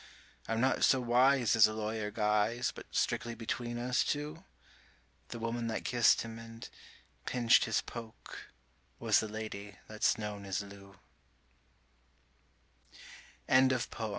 I'm not so wise as the lawyer guys, but strictly between us two The woman that kissed him and pinched his poke was the lady that's known as Lou.